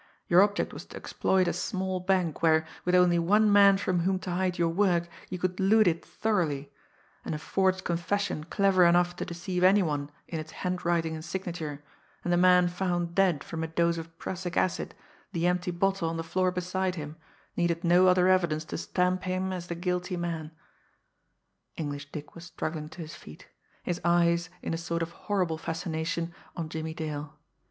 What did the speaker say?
Your object was to exploit a small bank where, with only one man from whom to hide your work, you could loot it thoroughly; and a forged confession clever enough to deceive any one in its handwriting and signature, and the man found dead from a dose of prussic acid, the empty bottle on the floor beside him, needed no other evidence to stamp him as the guilty man." English Dick was struggling to his feet; his eyes, in a sort of horrible fascination, on Jimmie Dale.